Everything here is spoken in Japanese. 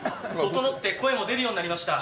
ととのって声も出るようになりました。